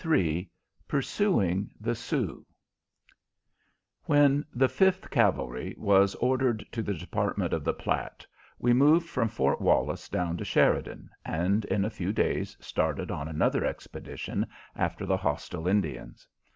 III PURSUING THE SIOUX When the Fifth Cavalry was ordered to the Department of the Platte, we moved from Fort Wallace down to Sheridan, and in a few days started on another expedition after the hostile Indians.